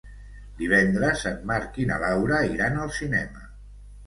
Divendres en Marc i na Laura iran al cinema.